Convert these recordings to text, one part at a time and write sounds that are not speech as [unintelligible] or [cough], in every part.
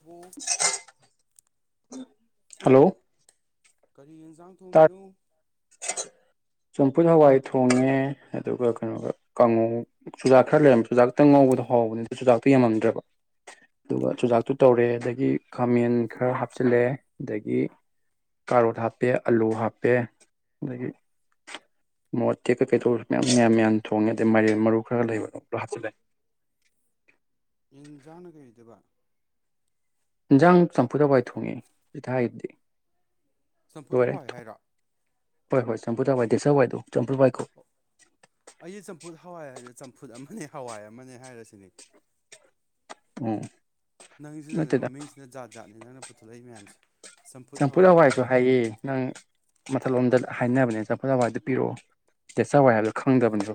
ꯕꯣ [unintelligible] ꯍꯂꯣ ꯀꯔꯤ ꯌꯦꯡ ꯖꯥꯡ ꯊꯣꯡꯉꯤꯅꯣ ꯆꯝꯐꯨꯠ ꯍꯋꯥꯏ ꯊꯣꯡꯉꯦ ꯑꯗꯨꯒ ꯀꯩꯅꯣꯒ ꯀꯥꯡꯉꯧ ꯆꯨꯨꯖꯥꯛ ꯈꯔ ꯂꯩꯔꯝ ꯆꯨꯖꯥꯛꯇꯪ ꯉꯧꯕꯗ ꯍꯥꯎꯕꯅꯤ ꯆꯨꯖꯥꯛꯇꯨ ꯌꯥꯝꯃꯝꯗ꯭ꯔꯕ ꯑꯗꯨꯒ ꯆꯨꯖꯥꯛꯇꯨ ꯇꯧꯔꯦ ꯑꯗꯒꯤ ꯈꯥꯃꯦꯟ ꯈꯔ ꯍꯥꯞꯆꯤꯜꯂꯦ ꯑꯗꯒꯤ ꯀꯥꯔꯣꯠ ꯍꯥꯞ ꯍꯥꯞꯄꯦ ꯑꯂꯨ ꯍꯥꯞꯄꯦ ꯑꯗꯒꯤ ꯃꯣꯔꯣꯛ ꯑꯇꯦꯛꯀ ꯀꯩꯀꯩꯇꯨ ꯃꯌꯥꯝ ꯃꯌꯥꯝ ꯃꯌꯥꯝ ꯊꯣꯡꯉꯦ ꯑꯗꯩ ꯃꯥꯏꯔꯦꯜ ꯃꯔꯨ ꯈꯔꯒ ꯂꯩꯕ ꯑꯗꯨ ꯍꯥꯞꯆꯤꯜꯂꯦ ꯌꯦꯟꯖꯥꯡꯅ ꯀꯩ ꯑꯣꯏꯗꯨꯕ ꯏꯟꯖꯥꯡ ꯆꯝꯐꯨ ꯍꯥꯋꯥꯏ ꯊꯣꯡꯉꯦ ꯖꯤꯛꯇ ꯍꯥꯏꯈꯤꯗꯨꯗꯤ ꯆꯝꯐꯨꯠ ꯍꯋꯥꯏ ꯍꯥꯏꯔꯣ ꯍꯣꯏ ꯍꯣꯏ ꯆꯝꯐꯨꯠ ꯍꯋꯥꯏ ꯗꯦꯁꯁꯥ ꯍꯋꯥꯏꯗꯣ ꯆꯝꯐꯨꯠ ꯍꯋꯥꯏ ꯀꯧ ꯑꯩꯗꯤ ꯆꯝꯐꯨꯠ ꯍꯋꯥꯏ ꯍꯥꯏꯗꯤ ꯆꯝꯐꯨꯠ ꯑꯃꯅꯦ ꯍꯋꯥꯏ ꯑꯃꯅꯦ ꯍꯥꯏꯔꯁꯤꯅꯦ ꯎꯝ ꯅꯪꯁꯤꯅꯅꯦ ꯅꯠꯇꯦꯗ ꯃꯃꯤꯡꯁꯤꯅ ꯖꯥꯠ ꯖꯥꯠꯅꯦ ꯅꯪꯅ ꯄꯨꯊꯣꯛꯂꯛꯏ ꯃꯌꯥꯝꯁꯦ ꯆꯝꯐꯨꯠ ꯍꯋꯥꯏꯁꯨ ꯍꯥꯏꯌꯦ ꯅꯪ ꯃꯊꯛꯂꯣꯝꯗꯗ ꯍꯥꯏꯅꯕꯅꯦ ꯆꯝꯐꯨꯠ ꯍꯋꯥꯏ ꯑꯇ ꯄꯤꯔꯛꯑꯣ ꯗꯦ꯫ꯗꯦꯁꯁꯥ ꯍꯋꯥꯏ ꯍꯥꯏꯕꯗꯣ ꯈꯪꯗꯕꯅꯦꯗꯣ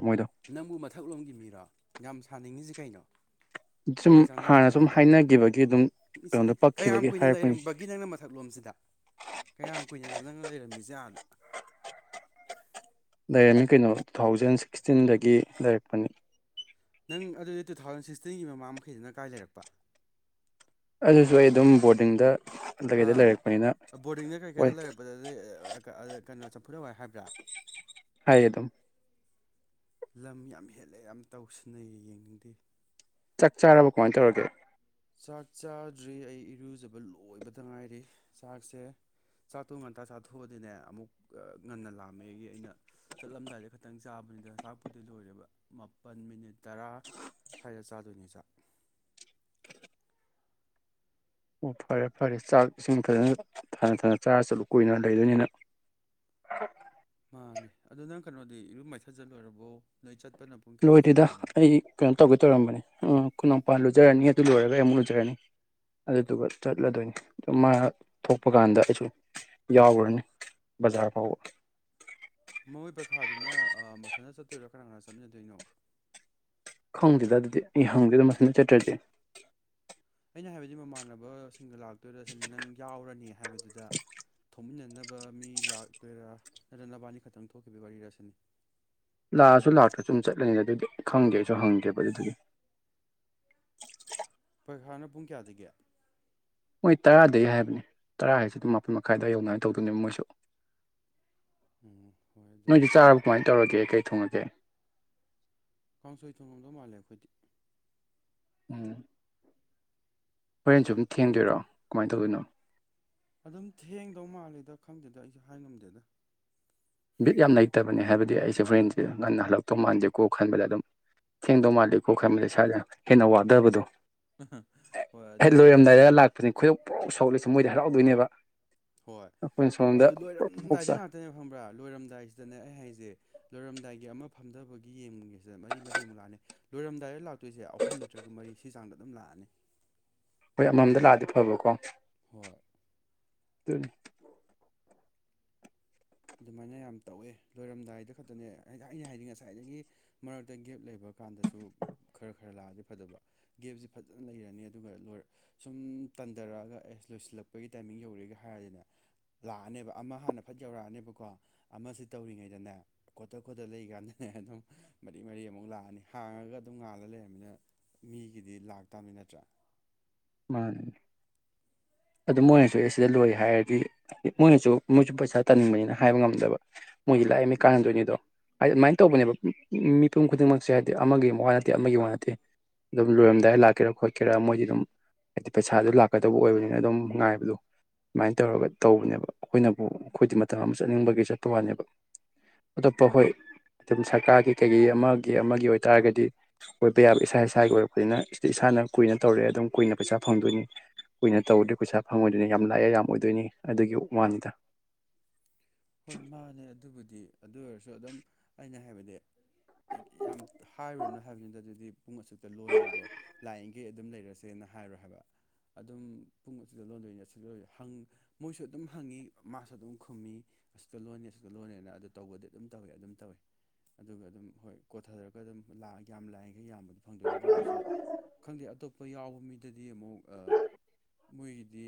ꯅꯪꯕꯨ ꯃꯊꯛꯂꯣꯝꯒꯤ ꯃꯤꯔꯣ ꯌꯥꯝ [unintelligible] ꯁꯨꯝ ꯀꯔꯤ ꯆꯥꯟꯅꯔꯤꯒꯦ ꯍꯥꯟꯅ ꯁꯨꯝ ꯍꯥꯏꯕꯅꯤꯗ ꯍꯥꯏꯅꯈꯤꯕꯒꯤ ꯑꯗꯨꯝ ꯀꯩꯅꯣꯗ ꯀꯌꯥꯝ ꯄꯛꯈꯤꯕꯒꯤ ꯀꯨꯏꯅ ꯍꯥꯏꯔꯛꯄꯅꯤ ꯂꯩꯔꯝꯕꯒꯤ ꯅꯪꯅ ꯃꯊꯛ ꯂꯣꯝꯁꯤꯗ ꯀꯌꯥꯝ ꯀꯨꯏꯅ ꯅꯣꯕ ꯅꯪꯅ ꯂꯩꯔꯝꯃꯤꯁꯦ ꯑꯥ ꯂꯩꯔꯝꯃꯤ ꯀꯩꯅꯣ ꯇꯨ ꯊꯥꯎꯖꯟ ꯁꯤꯛꯁꯇꯤꯟꯗꯒꯤ ꯂꯩꯔꯛꯄꯅꯤ ꯅꯪ ꯑꯗꯨꯗꯤ ꯇꯨ ꯊꯥꯎꯖꯟ ꯁꯤꯛꯁꯇꯤꯟꯒꯤ ꯃꯃꯥ ꯃꯈꯩꯗꯨꯅ ꯀꯥꯏ ꯂꯩꯔꯛꯄ ꯑꯗꯨꯁꯨ ꯑꯩ ꯑꯗꯨꯝ ꯕꯣꯔꯗꯤꯡꯗ ꯀꯩꯗ ꯂꯩꯔꯛꯄꯅꯤꯅ ꯑꯥ ꯕꯣꯔꯗꯤꯡꯗ ꯀꯩ ꯍꯣꯏ ꯀꯩꯗ ꯂꯩꯔꯛꯄꯗꯗꯤ ꯑꯦ ꯑꯥ ꯑꯥ ꯀ ꯀꯩꯅꯣ ꯆꯝꯐꯨꯠꯇꯣ ꯑꯗꯨꯃꯥꯏ ꯍꯥꯏꯕꯔꯥ ꯍꯥꯏꯌꯦ ꯑꯗꯨꯝ ꯂꯝ ꯌꯥꯝ ꯍꯦꯜꯂꯦ ꯌꯥꯝ ꯇꯧꯁꯤꯟꯅꯩꯌꯦ ꯌꯦꯡꯅꯤꯡꯗꯦ ꯆꯥꯛ ꯆꯥꯔꯕ ꯀꯃꯥꯏ ꯇꯧꯔꯒꯦ ꯆꯥꯛ ꯆꯥꯗꯔꯤ ꯑꯩ ꯏꯔꯨꯖꯕ ꯂꯣꯏꯕꯗ ꯉꯥꯏꯔꯤ ꯆꯥꯛꯁꯦ ꯆꯥꯛꯇꯣ ꯉꯥꯟꯇ ꯆꯥꯊꯣꯛꯑꯗꯤꯅꯦ ꯑꯃꯨꯛ ꯑꯥ ꯉꯟꯅ ꯂꯥꯝꯃꯦꯒꯤ ꯑꯩꯅ ꯆꯠꯂꯝꯗꯥꯏꯗ ꯈꯛꯇꯪ ꯆꯥꯕꯅꯤꯗ ꯆꯥꯛꯄꯨꯗꯤ ꯂꯣꯏꯔꯦꯕ ꯃꯥꯄꯜ ꯃꯤꯅꯤꯠ ꯇꯔꯥ ꯁ꯭ꯋꯥꯏꯗ ꯆꯥꯗꯣꯏꯅꯦ ꯆꯥꯛ ꯑꯣ ꯐꯔꯦ ꯐꯔꯦ ꯆꯥꯛ ꯏꯁꯤꯡ ꯐꯖꯅ ꯊꯟꯅ ꯊꯟꯅ ꯆꯥꯔ ꯆꯠꯂꯨ ꯀꯨꯏꯅ ꯂꯩꯗꯣꯏꯅꯤꯅ ꯃꯥꯅꯦ ꯑꯗꯣ ꯅꯪ ꯀꯩꯅꯣꯗꯤ ꯏꯔꯨ ꯃꯥꯏꯊꯖ ꯂꯣꯏꯔꯕꯣ ꯅꯣꯏ ꯆꯠ ꯂꯣꯏꯗꯦꯗ ꯑꯩ ꯀꯩꯅꯣ ꯇꯧꯒꯦ ꯇꯧꯔꯝꯕꯅꯦ ꯎꯝ ꯈꯣꯏ ꯅꯥꯎꯄ ꯂꯨꯖꯔꯅꯤ ꯑꯗꯨ ꯂꯣꯏꯔꯒ ꯑꯩ ꯑꯃꯨꯛ ꯂꯨꯖꯔꯅꯤ ꯑꯗꯨꯗꯨꯒ ꯆꯠꯂꯗꯣꯏꯅꯤ ꯑꯗꯨ ꯃꯥ ꯊꯣꯛꯄ ꯀꯥꯟꯗ ꯑꯩꯁꯨ ꯌꯥꯎꯒ꯭ꯔꯅꯤ ꯕꯖꯥꯔ ꯐꯥꯎꯕ ꯃꯣꯏ ꯄꯩꯈꯥꯗꯨꯅ ꯑꯥ ꯃꯊꯟꯇ ꯆꯠꯇꯣꯏꯔꯣ ꯀꯅꯥ ꯀꯅꯥ ꯆꯠꯃꯤꯟꯅꯗꯣꯏꯅꯣ ꯈꯪꯗꯦꯗ ꯑꯗꯨꯗꯤ ꯑꯩ ꯍꯪꯗꯦꯗ ꯃꯊꯟꯇ ꯆꯠꯇ꯭ꯔꯗꯤ ꯑꯩꯅ ꯍꯥꯏꯕꯗꯤ ꯃꯃꯥꯟꯅꯕꯁꯤꯡꯒ ꯂꯥꯛꯇꯣꯏꯔꯁꯤꯅꯤ ꯅꯪ ꯌꯥꯎꯔꯅꯤ ꯍꯥꯏꯕꯗꯨꯗ ꯊꯣꯛꯃꯤꯟꯅꯅꯕ ꯃꯤ ꯂꯥꯛꯇꯣꯏꯔ ꯅꯠꯇ꯭ꯔꯒ ꯅꯕꯥꯅꯤ ꯈꯛꯇꯪ ꯊꯣꯛꯈꯤꯕꯩ ꯋꯥꯔꯤꯔꯁꯤꯅꯤ ꯂꯥꯛꯑꯁꯨ ꯂꯥꯛꯇ꯭ꯔꯁꯨ ꯁꯨꯝ ꯆꯠꯂꯅꯤꯗ ꯑꯗꯨꯗꯤ ꯈꯪꯗꯦ ꯑꯩꯁꯨ ꯍꯪꯗꯦꯕ ꯑꯗꯨꯗꯤ ꯄꯩꯈꯥꯅ ꯄꯨꯡ ꯀꯌꯥꯗꯒꯤ ꯃꯣꯏ ꯇꯔꯥꯗꯩ ꯍꯥꯏꯕꯅꯦ ꯇꯔꯥ ꯍꯥꯏꯁꯤ ꯑꯗꯨꯝ ꯃꯥꯄꯜ ꯃꯈꯥꯏ ꯗꯥꯏ ꯌꯧꯅꯉꯥꯏ ꯇꯧꯗꯣꯏꯅꯦ ꯃꯣꯏꯁꯨ ꯎꯝ ꯍꯣꯏ ꯅꯣꯏꯗꯤ ꯑꯗꯨꯕꯨꯗꯤ ꯆꯥꯔꯕ ꯀꯃꯥꯏ ꯇꯧꯔꯒꯦ ꯀꯩ ꯊꯣꯡꯉꯒꯦ ꯀꯥꯡꯁꯣꯏ ꯊꯣꯡꯡꯂꯝꯗꯧ ꯃꯥꯜꯂꯦ ꯑꯩꯈꯣꯏꯗꯤ ꯎꯝ ꯍꯣꯔꯦꯟ ꯁꯨꯝ ꯊꯦꯡꯗꯣꯏꯔꯣ ꯀꯃꯥꯏꯅ ꯇꯧꯗꯣꯏꯅꯣ ꯑꯗꯨꯝ ꯊꯦꯡꯗꯧ ꯃꯥꯜꯂꯤꯦꯗ ꯈꯪꯗꯦꯗ ꯑꯩꯁꯨ ꯍꯥꯏꯉꯝꯗꯦꯗ ꯕꯤꯠ ꯌꯥꯝ ꯂꯩꯇꯕꯅꯦ ꯍꯥꯏꯕꯗꯤ ꯑꯩꯁꯦ ꯐ꯭ꯔꯦꯟꯁꯦ ꯉꯟꯅ ꯍꯜꯂꯛꯇꯧ ꯃꯥꯥꯟꯁꯦꯀꯣ ꯈꯟꯕꯗ ꯑꯗꯨꯝ ꯊꯦꯡꯗꯧ ꯃꯥꯥꯟꯜꯂꯤ ꯀꯣ ꯈꯟꯕꯗ ꯏꯁꯥꯗꯦ ꯍꯦꯟꯅ ꯋꯥꯗꯕꯗꯣ ꯍꯣꯏ ꯑꯗꯨꯅꯦ ꯐꯖꯅ ꯈꯨꯣꯏꯗꯧ ꯄꯨꯂꯥꯎ ꯁꯥꯎꯍꯠꯂꯁꯁꯨ ꯃꯣꯏꯗ ꯍꯔꯥꯎꯗꯣꯏꯅꯦꯕ ꯍꯣꯏ ꯑꯩꯈꯣꯏꯅ ꯁꯣꯝꯗ ꯑꯗꯨ ꯂꯣꯏꯔꯝ ꯄ꯭ꯔꯣꯛ ꯄ꯭ꯔꯣꯛ ꯗꯥꯏꯖ ꯆꯥꯏ ꯉꯥꯛꯇꯅꯦ ꯐꯪꯕ꯭ꯔꯥ ꯂꯣꯏ ꯂꯣꯏꯔꯝꯗꯥꯏꯁꯤꯗꯅꯦ ꯑꯩ ꯍꯥꯏꯁꯦ ꯂꯣꯏꯔꯝꯗꯥꯏꯒꯤ ꯑꯃ ꯐꯝꯊꯕꯒꯤ ꯌꯦꯡꯒꯒꯦꯁꯤꯗ ꯃꯔꯤ ꯃꯔꯤꯃꯨꯛ ꯂꯥꯑꯅꯤ ꯂꯣꯏꯔꯝꯗꯥꯏꯔ ꯂꯥꯛ ꯇꯣꯏꯁꯦ ꯑꯍꯨꯝ ꯅꯠꯇ꯭ꯔꯒ ꯃꯔꯤ ꯁꯤ ꯆꯥꯡꯗ ꯑꯗꯨꯝ ꯂꯥꯛꯑꯅꯤ ꯍꯣꯏ ꯑꯃꯃꯝꯗ ꯂꯥꯛꯑꯗꯤ ꯐꯕꯀꯣ ꯍꯣꯏ ꯇꯨꯅꯤ ꯑꯗꯨꯃꯥꯏꯅ ꯌꯥꯝ ꯇꯧꯋꯦ ꯂꯣꯏꯔꯝꯗꯥꯏꯗ ꯈꯛꯇꯅꯦ ꯑꯩꯅ ꯍꯥꯏꯗꯤ ꯉꯁꯥꯏꯗꯒꯤ ꯃꯔꯛꯇ ꯒꯦꯞ ꯂꯩꯕ ꯀꯥꯟꯗꯁꯨ ꯈꯔ ꯈꯔ ꯂꯥꯛꯑꯗꯤ ꯐꯗꯕ ꯒꯦꯞꯁ ꯐꯖꯅ ꯂꯩꯔꯅꯤ ꯑꯗꯨꯒ ꯂꯣ ꯁꯨꯝ ꯇꯟꯊꯔꯛꯑꯒ ꯑꯦꯁ ꯂꯣꯏꯁꯤꯜꯂꯛꯄꯒꯤ ꯇꯥꯏꯃꯤꯡ ꯌꯧꯔꯦꯒꯦ ꯍꯥꯏꯔꯗꯤꯅꯦ ꯂꯥꯛꯑꯅꯦꯕ ꯑꯃ ꯍꯥꯟꯅ ꯐꯠ ꯌꯧꯔꯛꯑꯅꯤꯕ ꯀꯣ ꯑꯃꯁꯤ ꯇꯧꯔꯤꯉꯩꯗꯅꯦ ꯈꯣꯠꯇ ꯈꯣꯠꯇ ꯂꯩꯀꯥꯟꯗꯅꯦ ꯑꯗꯨꯝ ꯃꯔꯤ ꯃꯔꯤ ꯑꯃꯨꯛ ꯂꯥꯛꯑꯅꯤ ꯍꯥꯡꯉꯒ ꯑꯗꯨꯝ ꯉꯥꯜꯂ ꯂꯩꯔꯕꯅꯤꯅ ꯃꯤꯒꯤꯗꯤ ꯂꯥꯛꯇꯕꯅꯤ ꯅꯠꯇ꯭ꯔꯥ ꯃꯥꯟꯅꯦ ꯑꯗꯨ ꯃꯣꯏꯅꯁꯨ ꯑꯦ ꯁꯤꯗ ꯂꯣꯏ ꯍꯥꯏꯔꯗꯤ ꯃꯣꯏꯅꯁꯨ ꯃꯣꯏꯁꯨ ꯄꯩꯁꯥ ꯇꯟꯅꯤꯡꯕꯅꯤꯅ ꯍꯥꯏꯕ ꯉꯝꯗꯕ ꯃꯣꯏꯒꯤ ꯂꯥꯛꯏꯅ ꯀꯥꯟꯅꯗꯣꯏꯅꯤꯗꯣ ꯍꯥꯏꯗꯤ ꯑꯗꯨꯃꯥꯏꯅ ꯇꯧꯕꯅꯦꯕ ꯃꯤ ꯃꯤꯄꯨꯝ ꯈꯨꯗꯤꯡꯃꯛꯁꯦ ꯍꯥꯏꯕꯗꯤ ꯑꯃꯒꯤ ꯋꯥ ꯅꯠꯇꯦ ꯑꯃꯒꯤ ꯋꯥ ꯅꯠꯇꯦ ꯑꯗꯨꯝ ꯂꯣꯏꯔꯝꯗꯥꯏꯗ ꯂꯥꯛꯀꯦꯔꯥ ꯈꯣꯠꯀꯦꯔꯥ ꯃꯣꯏꯗꯤ ꯑꯗꯨꯝ ꯍꯥꯏꯗꯤ ꯄꯩꯁꯥꯗ ꯂꯥꯛꯀꯗꯧꯕ ꯑꯣꯏꯕꯅꯤꯅ ꯑꯗꯨꯝ ꯉꯥꯏꯕꯗꯣ ꯑꯗꯨꯃꯥꯏꯅ ꯇꯧꯔꯒ ꯇꯧꯕꯅꯦꯕ ꯑꯩꯈꯣꯏꯅꯕꯨ ꯑꯩꯈꯣꯏꯗꯤ ꯃꯇꯝ ꯑꯃ ꯆꯠꯅꯤꯡꯕꯒꯤ ꯆꯠꯇꯄ ꯋꯥꯅꯦꯕ ꯑꯇꯣꯞꯄ ꯍꯣꯏ ꯑꯗꯨꯝ ꯁꯔꯀꯥꯔꯒꯤ ꯀꯩꯒꯤ ꯑꯃꯒꯤ ꯑꯃꯒꯤ ꯑꯣꯏꯇꯥꯥꯔꯒꯗꯤ ꯑꯣꯏꯕ ꯌꯥꯕ ꯏꯁꯥ ꯏꯁꯥꯒꯤ ꯑꯣꯏꯔꯛꯄꯅꯤꯅ ꯏꯁꯥꯅ ꯀꯨꯏꯅ ꯇꯧꯔꯛꯑꯦ ꯑꯗꯨꯝ ꯀꯨꯏꯅ ꯄꯩꯁꯥ ꯐꯪꯗꯣꯏꯅꯤ ꯀꯨꯏꯅ ꯇꯧꯔꯗꯣꯏ ꯄꯩꯁꯥ ꯐꯪꯉꯣꯏꯗꯣꯏꯅꯤ ꯌꯥꯝ ꯂꯥꯛꯑꯦ ꯌꯥꯝ ꯑꯣꯏꯗꯣꯏꯅꯤ ꯑꯗꯨꯒꯤ ꯋꯥꯅꯤꯗ ꯍꯣꯏ ꯃꯥꯅꯦ ꯑꯗꯨꯕꯨꯗꯤ ꯑꯗꯨ ꯑꯣꯏꯔꯁꯨ ꯑꯗꯨꯝ ꯑꯩꯅ ꯍꯥꯏꯕ ꯑꯩ ꯌꯥꯝ ꯍꯥꯏꯔꯨꯔꯅ ꯍꯥꯏꯕꯅꯤꯗ ꯑꯗꯨꯗꯤ ꯄꯨꯡ ꯑꯁꯨꯛꯇ ꯂꯣꯟꯦ ꯑꯗꯣ ꯂꯥꯏꯌꯦꯡꯈꯩ ꯑꯗꯨꯝ ꯂꯩꯔꯁꯦꯅ ꯍꯥꯏꯔꯣ ꯍꯥꯏꯕ ꯑꯗꯨꯝ ꯄꯨꯡ ꯑꯗꯨꯗ ꯂꯣꯟꯗꯣꯏꯅꯤꯪ ꯃꯣꯏꯁꯨ ꯑꯗꯨꯝ ꯍꯪ ꯃꯣꯏꯁꯨ ꯑꯗꯨꯝ ꯍꯪꯉꯤ ꯃꯥꯁꯨ ꯑꯗꯨꯝ ꯈꯨꯝꯃꯤ ꯑꯁꯨꯛꯇ ꯂꯣꯟꯅꯤ ꯑꯁꯨꯛꯇ ꯂꯣꯟꯅꯤꯅ ꯑꯗꯨ ꯇꯧꯕꯗꯤ ꯑꯗꯨꯝ ꯇꯧꯋꯦ ꯑꯗꯨꯝ ꯇꯧꯋꯦ ꯑꯗꯨꯒ ꯑꯗꯨꯝ ꯍꯣꯏ ꯀꯣꯊꯖꯔꯒ ꯑꯗꯨꯝ ꯌꯥꯝ ꯂꯥꯏ ꯌꯥꯝꯕꯗꯨ ꯐꯪꯗꯣꯏꯅꯤ ꯑꯗꯨꯒꯁꯨ ꯈꯪꯗꯦ ꯑꯇꯣꯞꯄ ꯑꯩꯈꯣꯏ ꯌꯥꯎꯕ ꯃꯤꯗꯗꯤ ꯗꯤ ꯑꯃꯨꯛ ꯑꯥ ꯃꯣꯏꯒꯤꯗꯤ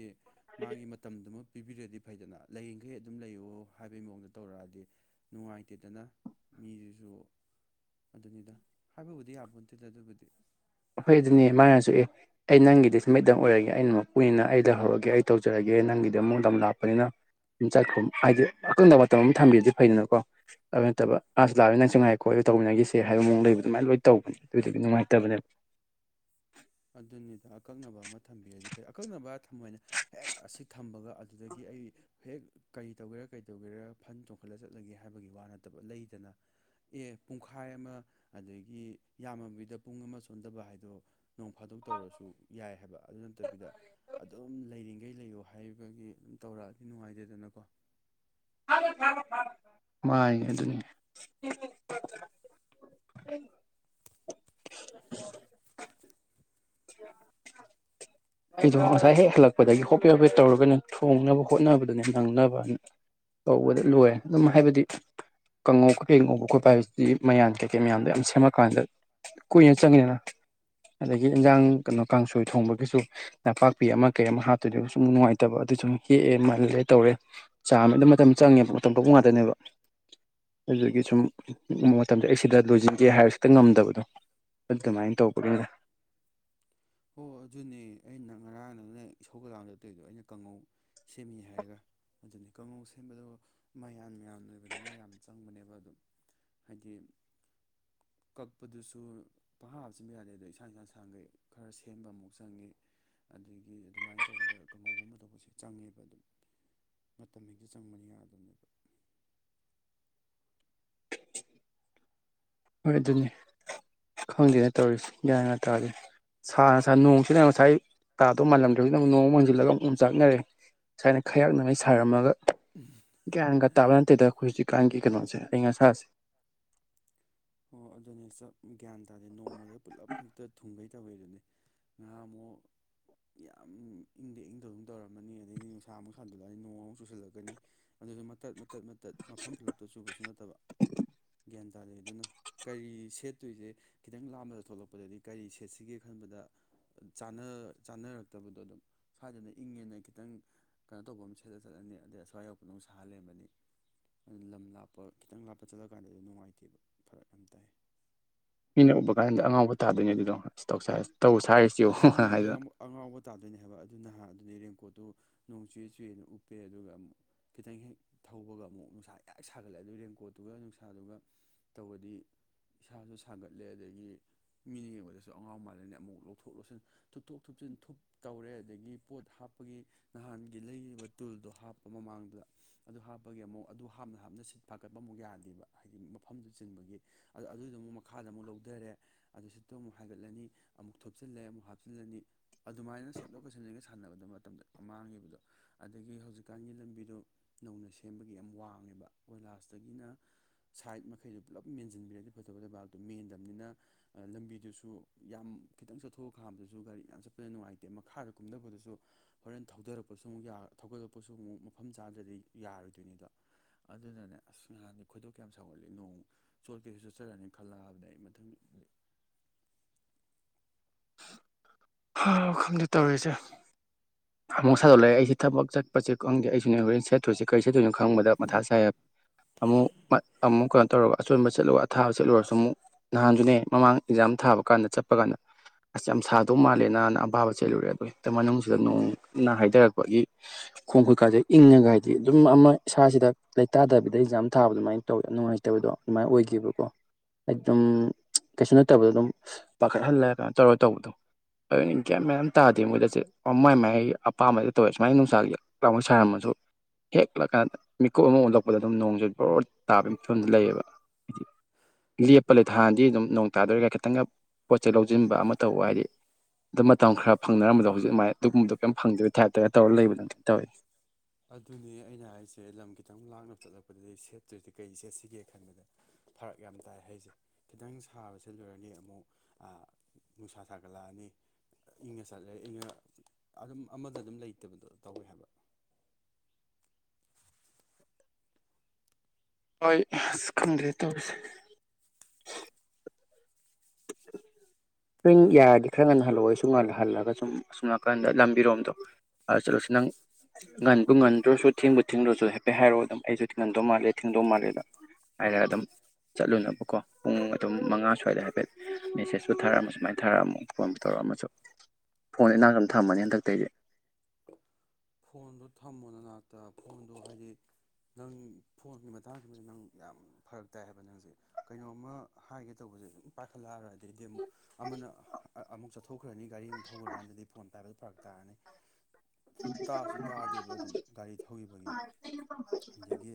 ꯃꯥꯒꯤ ꯃꯇꯝꯗꯨꯃ ꯄꯤꯕꯤꯔꯗꯤ ꯐꯩꯗꯅ ꯂꯩꯔꯤꯡꯈꯩ ꯑꯗꯨꯝ ꯂꯩꯌꯣ ꯍꯥꯏꯕꯩ ꯃꯑꯣꯡꯗ ꯇꯧꯔꯛꯑꯗꯤ ꯅꯨꯡꯉꯥꯏꯇꯦꯗꯅ ꯃꯤꯁꯤꯁꯨ ꯑꯗꯨꯅꯤꯗ ꯍꯥꯏꯕꯕꯨꯗꯤ ꯌꯥꯕꯠꯇꯦꯗ ꯑꯗꯨꯕꯨꯗꯤ ꯐꯩ ꯑꯗꯨꯅꯦ ꯃꯥꯅꯁꯨ ꯑꯦ ꯑꯩ ꯅꯪꯒꯤꯗꯤ ꯁꯃꯤꯗꯪ ꯑꯣꯏꯔꯒꯦ ꯑꯩꯅ ꯑꯃ ꯄꯨꯏꯅ ꯑꯩꯗ ꯍꯧꯔꯒꯦ ꯑꯩ ꯇꯧꯖꯔꯒꯦ ꯅꯪꯒꯤꯗꯤ ꯑꯃꯨꯛꯗ ꯂꯥꯛꯄꯅꯤꯅ ꯆꯠꯈꯣ ꯍꯥꯏꯗꯤ ꯑꯀꯪꯗꯕ ꯃꯇꯝ ꯑꯃ ꯊꯝꯕꯤꯔꯗꯤ ꯐꯩꯗꯅꯀꯣ ꯑꯗꯨ ꯅꯠꯇꯕ ꯑꯁꯨ ꯂꯥꯛꯑ ꯅꯪꯁꯨ ꯉꯥꯏꯈꯣ ꯑꯩ ꯇꯧꯃꯤꯟꯅꯈꯤꯁꯦ ꯍꯥꯏꯕ ꯃꯑꯣꯡ ꯂꯩꯕ ꯑꯗꯨꯃꯥꯏꯅ ꯂꯣꯏ ꯇꯧꯕꯅꯦ ꯑꯗꯨꯗꯨꯗꯤ ꯅꯨꯡꯉꯥꯏꯇꯕꯅꯦꯕ ꯑꯗꯨꯅꯤꯗ ꯑꯀꯛꯅꯕ ꯑꯃ ꯊꯝꯕꯤꯔꯗꯤ ꯐꯩ ꯑꯀꯛꯅꯕ ꯊꯃꯅ ꯍꯦꯛ ꯑꯁꯤ ꯊꯝꯕꯒ ꯑꯗꯨꯗꯒꯤ ꯑꯩ ꯍꯦꯛ ꯀꯔꯤ ꯇꯧꯒꯦꯔꯥ ꯀꯔꯤ ꯇꯧꯒꯦꯔꯥ ꯐꯟ ꯆꯣꯡꯈꯠꯂ ꯆꯠꯂꯒꯦ ꯍꯥꯏꯕꯒꯤ ꯋꯥ ꯅꯠꯇꯕ ꯂꯩꯗꯅ ꯑꯦ ꯄꯨꯡꯈꯥꯏ ꯑꯃ ꯑꯗꯒꯤ ꯌꯥꯝꯃꯕꯤꯗ ꯄꯨꯡ ꯑꯃ ꯆꯣꯟꯗꯕ ꯍꯥꯏꯗꯣ ꯅꯣꯡ ꯐꯥꯗꯣꯛ ꯇꯧꯔꯁꯨ ꯌꯥꯏ ꯍꯥꯏꯕ ꯑꯗꯨ ꯅꯠꯇꯕꯤꯗ ꯑꯗꯨꯝ ꯂꯩꯔꯤꯉꯩ ꯂꯩꯌꯣ ꯍꯥꯏꯩꯕꯒꯤ ꯑꯗꯨꯝ ꯇꯧꯔꯛꯑꯗꯤ ꯅꯨꯡꯉꯥꯏꯖꯦꯗꯅꯀꯣ ꯃꯥꯉ ꯑꯗꯨꯅꯤ [inaudible] ꯑꯩꯗꯣ ꯉꯁꯥꯏ ꯍꯦꯛ ꯍꯜꯂꯛꯄꯗꯒꯤ ꯍꯣꯞꯄꯦ ꯍꯣꯞꯄꯦ ꯇꯧꯔꯒꯅꯦ ꯊꯣꯡꯅꯕ ꯍꯣꯠꯅꯕꯗꯨꯅꯦ ꯅꯪꯅꯕ ꯇꯧꯕꯗ ꯂꯣꯏꯔꯦ ꯑꯗꯨꯝ ꯍꯥꯏꯕꯗꯤ ꯀꯥꯡꯉꯧ ꯀꯩꯀꯩ ꯉꯧꯕ ꯈꯣꯠꯄ ꯍꯥꯏꯕꯁꯤꯗꯤ ꯃꯌꯥꯟ ꯀꯩꯀꯩ ꯃꯌꯥꯝꯗꯣ ꯌꯥꯝ ꯁꯦꯝꯃꯛꯀꯥꯟꯗ ꯀꯨꯏꯅ ꯆꯪꯉꯤꯅ ꯑꯗꯒꯤ ꯏꯟꯖꯥꯡ ꯀꯩꯅꯣ ꯀꯥꯡꯁꯣꯏ ꯊꯣꯡꯕꯒꯤꯁꯨ ꯅꯄꯥꯛꯄꯤ ꯑꯃ ꯀꯩ ꯑꯃ ꯍꯥꯞꯇꯣꯏꯗ ꯁꯨꯝ ꯅꯨꯡꯉꯥꯏꯇꯕ ꯑꯗꯨ ꯁꯨꯝ ꯍꯦꯛꯑꯦ ꯃꯥꯜꯂꯦ ꯇꯧꯔꯦ ꯆꯥꯝꯃꯗ ꯃꯇꯝ ꯆꯪꯉꯦꯕ ꯃꯇꯝ ꯄ ꯉꯥꯛꯇꯅꯦꯕ ꯑꯗꯨꯒꯤ ꯁꯨꯝ ꯃꯇꯝꯗ ꯑꯦꯛꯁꯤꯗ ꯂꯣꯏꯁꯤꯟꯒꯦ ꯍꯥꯏꯔ ꯈꯤꯇꯪ ꯉꯝꯗꯕꯗꯣ ꯑꯗꯨꯃꯥꯏꯅ ꯇꯧꯕꯒꯤꯅꯦ ꯍꯣ ꯑꯗꯨꯅꯦ ꯑꯩꯅ ꯉꯔꯥꯡ ꯅꯅ ꯏꯁꯧꯒ ꯂꯥꯡꯗꯅ ꯇꯧꯔꯤꯗꯣ ꯑꯩꯅ ꯀꯪꯉꯧ ꯁꯦꯝꯃꯤ ꯍꯥꯏꯔꯒ ꯑꯗꯨꯅꯤ ꯀꯥꯡꯉꯧ ꯁꯦꯝꯕꯗꯣ ꯃꯌꯥꯟ ꯃꯌꯥꯟ ꯑꯣꯏꯕꯅꯤꯅ ꯌꯥꯝ ꯆꯪꯕꯅꯦꯕ ꯑꯗꯨꯝ ꯍꯥꯏꯗꯤ ꯀꯛꯄꯗꯨꯁꯨ ꯄꯪꯍꯥꯞ ꯍꯥꯞꯆꯟꯕ ꯌꯥꯗꯦꯗ ꯏꯁꯥꯡ ꯏꯁꯥꯡ ꯁꯥꯡꯈꯩ ꯈꯔ ꯁꯦꯝꯕ ꯑꯃꯨꯛ ꯆꯪꯉꯤ ꯑꯗꯒꯤ ꯑꯗꯨꯃꯥꯏꯅ ꯇꯧꯕꯗ ꯀꯥꯡꯉꯧꯒꯨꯝꯕ ꯇꯧꯕꯁꯨ ꯆꯪꯉꯦꯕ ꯑꯗꯨꯝ ꯃꯇꯝ ꯍꯦꯛꯇ ꯆꯪꯕꯅꯦ ꯌꯥꯗꯕꯅꯦꯕ ꯍꯣꯏ ꯑꯗꯨꯅꯤ ꯈꯪꯗꯦꯅꯦ ꯇꯧꯔꯤꯁꯤ ꯒꯌ꯭ꯥꯟꯒ ꯇꯥꯗ꯭ꯔꯦ ꯁꯥꯅ ꯁꯥꯏ ꯅꯣꯡꯁꯤꯅ ꯉꯁꯥꯏ ꯑꯩ ꯇꯥꯗꯧ ꯃꯥꯜꯂꯝꯗꯧꯅ ꯑꯃꯨꯛ ꯅꯣꯡ ꯃꯪꯁꯤꯜꯂꯒ ꯑꯣꯝꯆꯥꯛꯅꯔꯦ ꯉꯥꯁꯥꯏꯅ ꯈꯌꯥꯛꯅꯉꯩ ꯁꯥꯔꯝꯃꯒ ꯒꯌ꯭ꯥꯟ ꯒ ꯇꯥꯕ ꯅꯠꯇꯦ ꯍꯣ ꯑꯗꯨꯅꯦ ꯆꯞ ꯇꯧꯋꯤꯗꯨꯅꯦ ꯉꯥ ꯑꯃꯨꯛ ꯌꯥꯝ ꯏꯪꯗ ꯏꯪꯗ ꯇꯧꯔꯝꯃꯅꯤ ꯑꯗꯩꯗꯤ ꯅꯨꯡꯁꯥ ꯑꯃꯨꯛ ꯁꯥꯗꯣꯛꯂꯛꯑꯅꯤ ꯅꯣꯡꯃꯨꯛ ꯆꯨꯁꯤꯜꯂꯛꯀꯅꯤ ꯑꯗꯨꯗ ꯃꯇꯠ ꯃꯇꯠ ꯃꯇꯠ ꯃꯐꯝ ꯄꯨꯜꯂꯞꯇꯁꯨ ꯆꯨꯕꯁꯨ ꯅꯠꯇꯕ ꯒ꯭ꯌꯥꯟ ꯇꯥ ꯑꯗꯩꯗꯨꯅ ꯀꯔꯤ ꯁꯦꯠꯇꯣꯏꯁꯦ ꯈꯤꯇꯪ ꯂꯥꯞꯅ ꯊꯣꯛꯂꯛꯄꯗꯗꯤ ꯀꯔꯤ ꯁꯦꯠꯁꯤꯒꯦ ꯈꯟꯕꯗ ꯆꯥꯅꯔꯛꯇꯕꯗꯣ ꯑꯗꯨꯝ ꯁ꯭ꯋꯥꯏꯗꯅ ꯏꯪꯉꯦꯅ ꯈꯤꯇꯪ ꯀꯩꯅꯣ ꯇꯧꯕ ꯑꯃ ꯁꯦꯠꯂ ꯆꯠꯂꯅꯤ ꯑꯗꯩ ꯑꯁ꯭ꯋꯥꯏꯗ ꯑꯃꯨꯛ ꯁꯥ ꯂꯩꯔꯝꯃꯅꯤ ꯑꯗꯨꯅ ꯂꯝ ꯂꯥꯞꯄ ꯈꯤꯇꯪ ꯂꯥꯞꯄ ꯆꯠꯂꯀꯥꯟꯗꯗꯤ ꯅꯨꯡꯉꯥꯏꯇꯦꯕ ꯐꯔꯛ [inaudible] ꯃꯤꯅ ꯎꯕ ꯀꯥꯟꯗ ꯑꯉꯥꯎꯕ ꯊꯥꯗꯣꯏꯅꯦ ꯑꯗꯨꯗꯣ ꯑꯁ ꯇꯧꯁꯥꯏ ꯑꯗꯨꯅꯦ ꯑꯉꯥꯡꯕ- ꯑꯉꯥꯎꯕ ꯇꯥꯗꯣꯏꯅꯦ ꯍꯥꯏꯕ ꯑꯗꯨ ꯅꯍꯥꯟ ꯑꯗꯨꯅꯦ ꯔꯦꯟꯀꯣꯠꯇꯣ ꯅꯣꯡ ꯆꯨꯌꯦ ꯆꯨꯦꯌꯦꯅ ꯎꯞꯄꯦ ꯑꯗꯨꯒ ꯑꯃꯨꯛ ꯈꯤꯇꯪ ꯍꯦꯛ ꯊꯧꯕꯒ ꯑꯃꯨꯛ ꯅꯨꯡꯁꯥ ꯌꯥꯛ ꯁꯥꯒꯠꯂꯦ ꯑꯗꯨ ꯔꯦꯟꯀꯣꯠꯇꯨꯒ ꯅꯨꯡꯁꯥꯗꯨꯒ ꯇꯧꯕꯗꯤ ꯏꯁꯥꯁꯨ ꯁꯥꯒꯠꯂꯦ ꯑꯗꯨꯗꯒꯤ ꯃꯤ ꯌꯦꯡꯕꯗꯁꯨ ꯑꯉꯥꯎ ꯃꯥꯜꯂꯅꯤ ꯑꯃꯨꯛ ꯂꯣꯛ ꯊꯣꯛ ꯂꯧꯁꯤꯟ ꯊꯨꯞꯊꯣꯛ ꯊꯨꯞꯆꯤꯟ ꯊꯨꯞ ꯇꯧꯔꯦ ꯑꯗꯒꯤ ꯄꯣꯠ ꯍꯥꯞꯄꯒꯤ ꯅꯍꯥꯟꯒꯤ ꯂꯩꯔꯤꯕ ꯇꯨꯜꯗꯣ ꯍꯥꯞꯄ ꯃꯃꯥꯡꯗꯨꯗ ꯑꯗꯨ ꯍꯥꯞꯄꯒꯤ ꯑꯃꯨꯛ ꯑꯗꯨ ꯍꯥꯞꯅ ꯍꯥꯞꯅ ꯁꯤꯠ ꯐꯥꯒꯠꯄ ꯑꯃꯨꯛ ꯌꯥꯗꯦꯕ ꯍꯥꯏꯗꯤ ꯃꯐꯝꯗꯨ ꯆꯤꯟꯕꯒꯤ ꯑꯗ ꯑꯗꯨꯗ ꯑꯃꯨꯛ ꯃꯈꯥꯗ ꯑꯃꯨꯛ ꯂꯧꯘꯔꯦ ꯑꯗꯨ ꯁꯤꯗꯇꯣ ꯑꯃꯨꯛ ꯍꯥꯏꯒꯠꯂꯅꯤ ꯑꯃꯨꯛ ꯊꯨꯞꯆꯤꯜꯂꯦ ꯑꯃꯨꯛ ꯍꯥꯞꯆꯤꯜꯂꯅꯤ ꯑꯗꯨꯃꯥꯏꯅ ꯁꯦꯝꯗꯣꯛꯀ ꯁꯦꯝꯖꯤꯟꯒ ꯁꯥꯟꯅꯕꯗ ꯃꯇꯝꯗ ꯌꯥꯝ ꯃꯥꯡꯉꯦꯕꯗꯣ ꯑꯗꯒꯤ ꯍꯧꯖꯤꯛꯀꯥꯟꯒꯤ ꯂꯝꯕꯤꯗꯣ ꯅꯧꯅ ꯁꯦꯝꯕꯒꯤ ꯌꯥꯝ ꯋꯥꯡꯉꯦꯕ ꯀꯣꯏꯂꯥꯁꯇꯒꯤꯅ ꯁꯥꯏꯠ ꯃꯈꯩꯗꯣ ꯄꯨꯂꯞ ꯃꯦꯟꯁꯤꯟꯕꯤꯔꯗꯤ ꯐꯒꯗꯕ ꯂꯩꯕꯥꯛꯇꯣ ꯃꯦꯟꯗꯕꯅꯤꯅ ꯂꯝꯕꯤꯗꯨꯁꯨ ꯌꯥꯝ ꯈꯤꯇꯪ ꯆꯠꯊꯣꯛꯑ ꯈꯥꯝꯕꯗꯁꯨ ꯒꯥꯔꯤ ꯌꯥꯝ ꯆꯠꯄꯗ ꯅꯨꯡꯉꯥꯏꯇꯦ ꯃꯈꯥꯗ ꯀꯨꯝꯊꯕꯗꯨꯁꯨ ꯍꯣꯔꯦꯟ ꯊꯧꯗꯔꯛꯄꯁꯨ ꯑꯃꯨꯛ ꯌꯥ ꯊꯧꯒꯠꯂꯛꯄꯁꯨ ꯑꯃꯨꯛ ꯃꯐꯝ ꯆꯥꯗ꯭ꯔꯗꯤ ꯌꯥꯔꯣꯏꯗꯣꯏꯅꯤꯗꯣ ꯑꯗꯨꯅꯅꯦ ꯑꯁ ꯅꯍꯥꯟꯗꯤ ꯈꯣꯏꯗꯧ ꯀ꯭ꯌꯥꯝ ꯁꯥꯎꯒꯠꯂꯤ ꯅꯣꯡ ꯆꯣꯠꯀꯦꯁꯨ ꯆꯣꯠꯆꯔꯅꯤ ꯈꯜꯂꯛꯑꯕꯅꯦꯗ ꯑꯩ ꯃꯊꯪ ꯍꯥꯎ ꯈꯪꯗꯦ ꯇꯧꯔꯤꯁꯦ ꯑꯃꯨꯛ ꯁꯥꯗꯣꯛꯂꯛꯑꯦ ꯑꯩꯁꯦ ꯊꯕꯛ ꯆꯠꯄꯁꯦ ꯈꯪꯗꯦ ꯑꯩꯁꯨꯅꯦ ꯍꯣꯔꯦꯟ ꯁꯦꯠꯇꯣꯏꯁꯦ ꯀꯔꯤ ꯁꯦꯠꯇꯣꯏꯅꯣ ꯈꯪꯕꯗ ꯃꯊꯥ ꯁꯥꯏ ꯑꯃꯨꯛ ꯃꯠ ꯑꯃꯨꯈꯛ ꯇꯧꯔꯒ ꯑꯆꯣꯟꯕ ꯆꯠꯂꯨ ꯑꯊꯥꯕ ꯆꯠꯂꯨꯔꯁꯨ ꯑꯃꯨꯛ ꯅꯍꯥꯟꯒꯤꯅꯦ ꯃꯃꯥꯡ ꯑꯦꯛꯖꯥꯝ ꯊꯥꯕ ꯀꯥꯟꯗ ꯆꯠꯄ ꯀꯥꯟꯗ ꯑꯁ ꯌꯥꯝ ꯁꯥ ꯑꯗꯨꯝ ꯃꯥꯜꯂꯦꯅꯥ ꯅ ꯑꯄꯥꯕ ꯆꯦꯜꯂꯨꯔꯦ ꯑꯗꯨ ꯍꯦꯛꯇ ꯃꯅꯨꯡꯁꯤꯗ ꯅꯣꯡꯅ ꯍꯩꯗꯔꯛꯄꯒꯤ ꯈꯣꯡ ꯈꯨꯠꯀꯥꯁꯦ ꯏꯪꯉꯒ ꯍꯥꯏꯗꯤ ꯑꯗꯨꯝ ꯑꯃ ꯏꯁꯥꯁꯤꯗ ꯂꯩꯇꯥꯗꯕꯤꯗ ꯑꯦꯛꯖꯥꯝ ꯊꯥꯕ ꯑꯗꯨꯃꯥꯏꯅ ꯇꯧꯋꯦ ꯅꯨꯡꯉꯥꯏꯇꯕꯗꯣ ꯑꯗꯨꯃꯥꯏ ꯑꯣꯏꯈꯤꯕꯀꯣ ꯑꯩ ꯑꯗꯨꯝ ꯀꯩꯁꯨ ꯅꯠꯇꯕꯗ ꯑꯗꯨꯝ ꯄꯥꯈꯠꯍꯜꯂ ꯀꯥꯏ ꯇꯧꯔ ꯇꯧꯕꯗꯣ ꯑꯗꯨꯅꯤ ꯒꯌ꯭ꯥꯟ ꯃꯌꯥꯝ ꯇꯥꯗꯦ ꯃꯣꯏꯗꯁꯦ ꯃꯥꯏ ꯃꯥꯏ ꯑꯄꯥꯝꯕꯗ ꯇꯧꯋꯦ ꯁꯨꯃꯥꯏꯅ ꯅꯨꯡꯁꯥꯒꯤ ꯂꯥꯎꯅ ꯁꯥꯔꯝꯃꯁꯨ ꯍꯦꯛꯂꯛꯀꯥꯟꯗ ꯃꯤꯀꯨꯞ ꯑꯃ ꯑꯣꯟꯜꯂꯛꯄꯗ ꯑꯗꯨꯝ ꯅꯣꯡꯁꯨꯦ ꯕꯣꯔ ꯇꯥꯕꯒꯤ ꯐꯤꯕꯝꯗ ꯂꯩꯌꯦꯕ ꯂꯦꯞꯄ ꯂꯩ ꯍꯥꯟꯅꯗꯤ ꯑꯗꯨꯝ ꯅꯣꯡ ꯇꯥꯗꯣꯔꯦꯒ ꯈꯤꯇꯪꯒ ꯄꯣꯠ ꯆꯩꯩ ꯂꯧꯖꯤꯟꯕ ꯑꯃ ꯇꯧꯕ ꯍꯥꯏꯗꯤ ꯑꯗꯨ ꯃꯇꯝ ꯈ꯭ꯔ ꯐꯪꯅꯔꯝꯕꯗꯣ ꯍꯧꯖꯤꯛ ꯃꯥꯏ ꯑꯗꯨꯒꯨꯝꯕꯗꯣ ꯀꯩꯝ ꯐꯪꯗꯕꯩ ꯇꯥꯏꯞꯇꯒ ꯇꯧꯔꯒ ꯂꯩꯕꯅ ꯇꯧꯋꯦ ꯑꯗꯨꯅꯦ ꯑꯩꯅ ꯍꯥꯏꯁꯦ ꯂꯝ ꯈꯤꯇꯪ ꯂꯥꯞꯅ ꯆꯠꯂꯛꯄꯗꯗꯤ ꯁꯦꯠꯇꯣꯏꯁꯦ ꯀꯔꯤ ꯁꯦꯠꯁꯤꯒꯦ ꯈꯟꯕꯗ ꯐꯔꯛ ꯌꯥꯝ ꯇꯥꯏ ꯍꯥꯏꯁꯦ ꯈꯤꯇꯪ ꯁꯥꯕ ꯁꯦꯠꯂꯨꯔꯅꯤ ꯑꯃꯨꯛ ꯑ ꯅꯨꯡꯁꯥ ꯁꯥꯒꯠꯂꯛꯑꯅꯤ ꯏꯪꯉ ꯆꯠꯂꯦ ꯏꯪꯉ ꯑꯗꯨꯝ ꯑꯃꯗ ꯑꯗꯨꯝ ꯂꯩꯇꯕꯗꯣ ꯇꯧꯋꯦ ꯍꯥꯏꯕ ꯍꯣꯏ ꯑꯁ ꯈꯪꯗ꯭ꯔꯦ ꯇꯧꯔꯤꯁꯦ ꯅꯪ ꯌꯥꯔꯗꯤ ꯈꯔ ꯉꯟ ꯍꯜꯂꯛꯑꯣ ꯁꯨꯝ ꯉꯟꯅ ꯍꯜꯂ ꯁꯨꯝ ꯅꯥꯀꯟꯗ ꯂꯝꯕꯤꯔꯣꯝꯗꯣ ꯑ ꯆꯠꯂꯨꯁꯨ ꯅꯪ ꯉꯟꯕꯨ ꯉꯟꯗ꯭ꯔꯁꯨ ꯊꯦꯡꯕꯨ ꯊꯦꯡꯗ꯭ꯔꯁꯨ ꯍꯥꯏꯐꯦꯠ ꯍꯥꯏꯔꯛꯑꯣ ꯑꯗꯨꯝ ꯑꯩꯁꯨ ꯉꯟꯗꯧ ꯃꯥꯜꯂꯦ ꯊꯤꯡꯗꯧ ꯃꯥꯜꯂꯦꯗ ꯍꯥꯏꯔ ꯑꯗꯨꯝ ꯆꯠꯂꯨꯅꯕꯀꯣ ꯄꯨꯡ ꯑꯗꯨꯝ ꯃꯉꯥ ꯁ꯭ꯋꯥꯏꯗ ꯍꯥꯏꯐꯦꯠ ꯃꯦꯁꯦꯁꯄꯨ ꯊꯥꯔꯛꯑꯃ ꯁꯨꯃꯥꯏꯅ ꯊꯥꯔꯛꯑꯝꯃꯣ ꯐꯣꯟ ꯇꯧꯔꯛꯑꯝꯃꯁꯨ ꯐꯣꯟ ꯏꯅꯥꯛꯇ ꯑꯗꯨꯝ ꯊꯝꯃꯅꯤ ꯍꯟꯇꯩꯗꯤ ꯐꯣꯟꯗꯣ ꯊꯝꯃꯣ ꯅꯅꯥꯛꯇ ꯐꯣꯟꯗꯣ ꯍꯥꯏꯗꯤ ꯅꯪ ꯐꯣꯟꯒꯤ ꯃꯇꯥꯡꯁꯤꯃꯗꯤ ꯅꯪ ꯌꯥꯝ ꯐꯔꯛ ꯇꯥꯏ ꯍꯥꯏꯕ ꯅꯪꯁꯦ ꯀꯩꯅꯣꯝꯃ ꯍꯥꯏꯒꯦ ꯇꯧꯕꯁꯦ ꯑꯗꯨꯨꯝ ꯄꯥꯏꯈꯠꯂꯛꯑꯔꯣꯏ ꯑꯗꯩꯩꯗꯤ ꯑꯃꯨꯛ ꯑꯃꯅ ꯑꯃꯨꯛ ꯆꯠꯊꯣꯛꯈ꯭ꯔꯅꯤ ꯒꯥꯔꯤ ꯑꯃꯨꯛ ꯊꯧꯈ꯭ꯔꯀꯥꯟꯗꯗꯤ ꯐꯣꯟ ꯄꯥꯏꯕꯗꯣ ꯐꯔꯛ ꯇꯥꯔꯅꯤ ꯇꯥꯁꯨ ꯇꯥꯗꯦꯕ ꯑꯗꯨꯝ ꯒꯥꯔꯤ ꯊꯧꯈꯤꯕꯒꯤ ꯑꯗꯒꯤ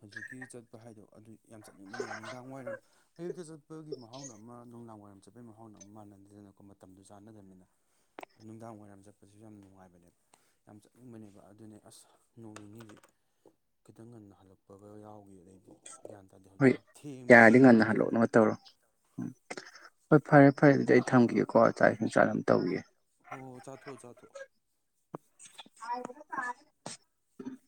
ꯍꯧꯖꯤꯛꯀꯤ ꯆꯠꯄ ꯍꯥꯏꯗꯣ ꯑꯗꯨ ꯌꯥꯝ ꯆꯠꯅꯤꯡꯕꯅꯦ ꯅꯨꯡꯗꯥꯡ ꯋꯥꯏꯔꯝ ꯑꯌꯨꯛꯇ ꯆꯠꯄꯒꯤ ꯃꯍꯥꯎꯅ ꯑꯃ ꯅꯨꯡꯗꯥꯡ ꯋꯥꯏꯔꯝ ꯆꯠꯄꯩ ꯃꯍꯥꯎꯅ ꯑꯃꯨ ꯃꯥꯟꯅꯗꯔꯦꯗꯅꯀꯣ ꯃꯇꯝꯗꯨ ꯆꯥꯟꯅꯗꯔꯕꯅꯤꯅꯦ ꯅꯨꯡꯗꯥꯡ ꯋꯥꯏꯔꯝ ꯆꯠꯄꯁꯤꯁꯨ ꯌꯥꯝ ꯅꯨꯡꯉꯥꯏꯕꯅꯦꯕ ꯌꯥꯝ ꯆꯠꯅꯤꯡꯕꯅꯦꯕ ꯑꯗꯨꯅꯦ ꯑꯁ ꯅꯣꯡ ꯅꯤꯅꯤꯗꯤ ꯈꯤꯇꯪ ꯉꯟꯅ ꯍꯜꯂꯛꯄꯒ ꯌꯥꯎꯈꯤꯗꯩꯗꯤ ꯍꯣꯏ ꯌꯥꯔꯗꯤ ꯉꯟꯅ ꯅꯝꯁꯤꯜꯂꯦ ꯍꯜꯂꯛꯅꯕ ꯇꯧꯔꯣ ꯎꯝ ꯍꯣꯏ ꯐꯔꯦ ꯐꯔꯦ ꯑꯗꯨꯗꯤ ꯑꯩ ꯊꯝꯈꯤꯒꯦꯀꯣ ꯆꯥꯛ ꯏꯁꯤꯡ ꯆꯥꯡꯅꯕ ꯇꯧꯒꯤꯒꯦ ꯍꯣ ꯆꯥꯊꯣ ꯆꯥꯊꯣ ꯆꯥꯎꯕꯅ ꯇꯥꯔꯦ ꯎꯝ